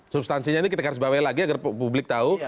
substansinya ini kita garis bawahi lagi agar publik tahu